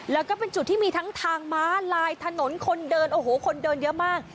แล้วก็เป็นจุดที่มีทั้งทางม้าลายถนนคนเดินโอ้โหคนเดินเยอะมาก